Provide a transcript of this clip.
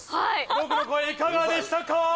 僕の声いかがでしたか？